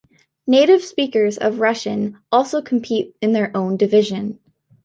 Native speakers of Russian also compete in their own division.